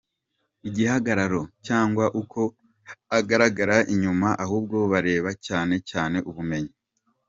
igihagararo cyangwa uko agaragara inyuma ahubwo bareba cyane cyane ubumenyi.